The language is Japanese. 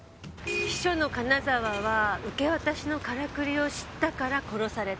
秘書の金澤は受け渡しのからくりを知ったから殺された。